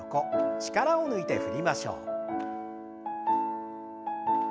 力を抜いて振りましょう。